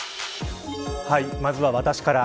まずは私から。